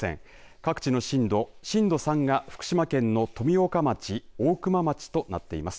各地の震度震度３が福島県の富岡町大熊町となっています。